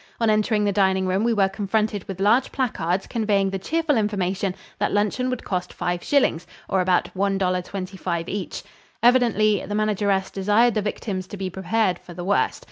On entering the dining room we were confronted with large placards conveying the cheerful information that luncheon would cost five shillings, or about $1.25 each. Evidently the manageress desired the victims to be prepared for the worst.